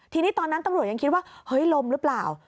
ทีนี้ตอนนั้นตำรวจยังคิดว่าเฮ้ยลมหรือเปล่า